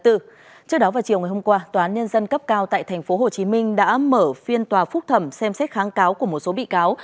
trước đó vào chiều ngày hôm qua tòa án nhân dân cấp cao tại tp hcm đã mở phiên tòa phúc thẩm xem xét kháng cáo của một số bị cáo